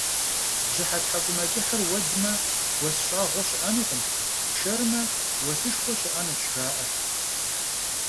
Бжьыхьэ тхьэкӏумэкӏыхьыр уэдмэ, уэс щӏагъуэ щыӏэнукъым, пшэрмэ, уэсышхуэ щыӏэнущ, жаӏэ.